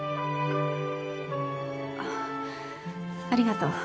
ああありがとう。